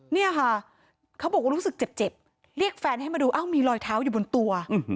เนี่ยค่ะเขาบอกว่ารู้สึกเจ็บเรียกแฟนให้มาดูอ้าวมีรอยเท้าอยู่บนตัว